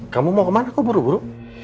kamu mau kemana kau buru buru